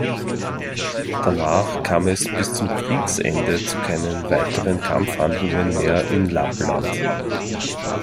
Danach kam es bis zum Kriegsende zu keinen weiteren Kampfhandlungen mehr in Lappland.